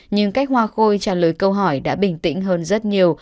nhưng cách hoa khôi trả lời câu hỏi đã bình tĩnh hơn rất nhiều